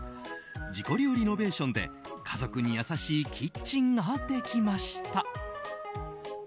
自己流リノベーションで家族に優しいキッチンができました。